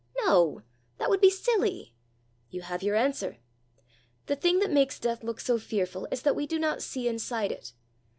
"No; that would be silly." "You have your answer! The thing that makes death look so fearful is that we do not see inside it.